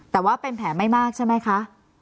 แต่ว่าเป็นแผลไม่มากใช่ไหมคะ